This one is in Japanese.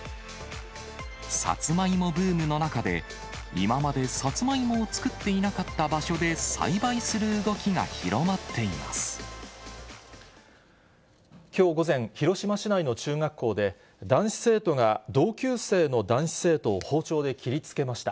サツマイモブームの中で、今までサツマイモを作っていなかった場所で栽培する動きが広まっきょう午前、広島市内の中学校で、男子生徒が同級生の男子生徒を包丁で切りつけました。